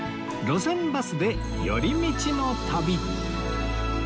『路線バスで寄り道の旅』